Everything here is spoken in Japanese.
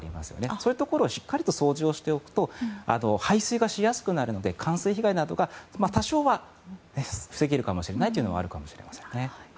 そういうところをしっかりと掃除をしておくと排水がしやすくなるので冠水被害が多少は防げるかもしれないというのはあるかもしれませんね。